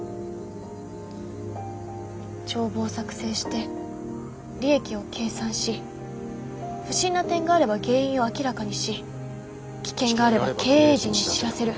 帳簿を作成して利益を計算し不審な点があれば原因を明らかにし危険があれば経営陣に知らせる。